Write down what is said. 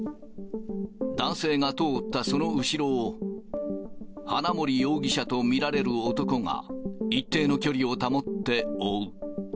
男性が通ったその後ろを、花森容疑者と見られる男が、一定の距離を保って追う。